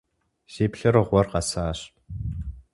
Си плъырыгъуэр къэсащ.